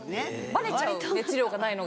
バレちゃう熱量がないのが。